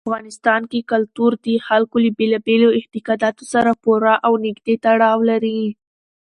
افغانستان کې کلتور د خلکو له بېلابېلو اعتقاداتو سره پوره او نږدې تړاو لري.